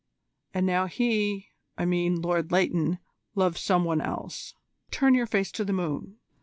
And now he, I mean Lord Leighton loves some one else. Turn your face to the moon.